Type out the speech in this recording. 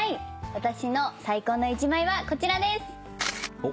私の最高の１枚はこちらです。